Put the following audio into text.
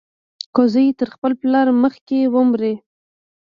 که زوى تر خپل پلار مخکې ومري.